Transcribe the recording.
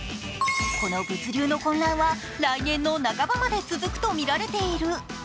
この物流の混乱は来年の半ばまで続くとみられている。